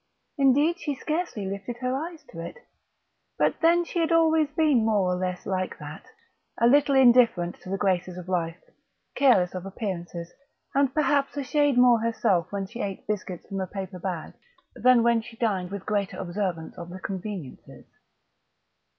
Indeed she scarcely lifted her eyes to it. But then she had always been more or less like that a little indifferent to the graces of life, careless of appearances, and perhaps a shade more herself when she ate biscuits from a paper bag than when she dined with greater observance of the convenances.